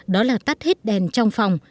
đó là tắt hết đèn trong phòng